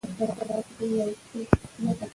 کارمل بروف د پروژې همکاره څېړونکې ده.